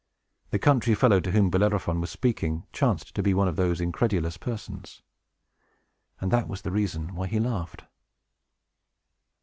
The country fellow to whom Bellerophon was speaking chanced to be one of those incredulous persons. And that was the reason why he laughed.